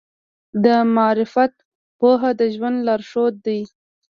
د معرفت پوهه د ژوند لارښود دی.